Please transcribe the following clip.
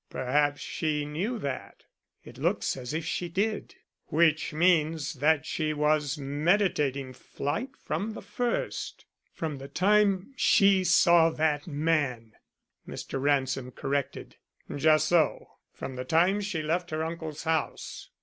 "Perhaps she knew that." "It looks as if she did." "Which means that she was meditating flight from the first." "From the time she saw that man," Mr. Ransom corrected. "Just so; from the time she left her uncle's house.